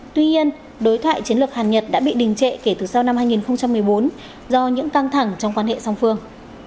tuy nhiên đối thoại chiến lược hàn nhật đã bị đình trệ kể từ sau năm hai nghìn một mươi bốn do những căng thẳng trong quan hệ song phương